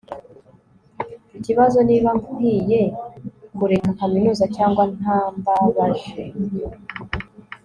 ikibazo niba nkwiye kureka kaminuza cyangwa ntambabaje